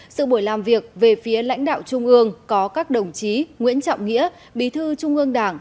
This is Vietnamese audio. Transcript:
sự buổi làm việc về phía lãnh đạo trung ương có các đồng chí nguyễn trọng nghĩa bí thư trung ương đảng